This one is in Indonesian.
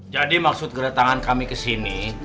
jadi maksud geretangan kami kesini